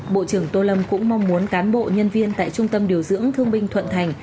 bộ trưởng tô lâm cũng mong muốn cán bộ nhân viên tại trung tâm điều dưỡng thương binh thuận thành